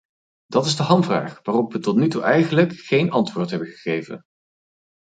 Dat is de hamvraag, waarop we tot nu toe eigenlijk geen antwoord hebben gegeven.